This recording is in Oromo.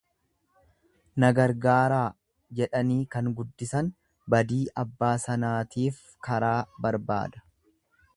Na gargaaraa jedhanii kan guddisan badii abbaasanaatiif karaa barbaada.